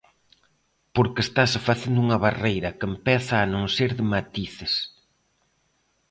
Porque estase facendo unha barreira, que empeza a non ser de matices.